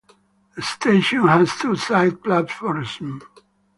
The station has two side platforms.